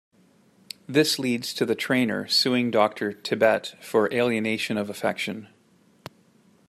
This leads to the trainer suing Doctor Tibbett for alienation of affection.